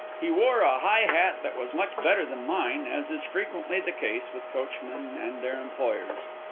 He wore a high hat that was much better than mine, as is frequently the case with coachmen and their employers.